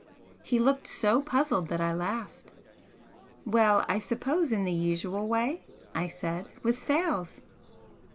He looked so puzzled that I laughed. "Well, I suppose in the usual way," I said "With sails."